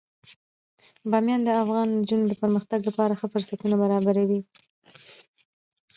بامیان د افغان نجونو د پرمختګ لپاره ښه فرصتونه برابروي.